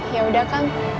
ya udah kang